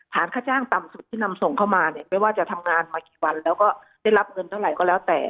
ค่าจ้างต่ำสุดที่นำส่งเข้ามาเนี่ยไม่ว่าจะทำงานมากี่วันแล้วก็ได้รับเงินเท่าไหร่ก็แล้วแต่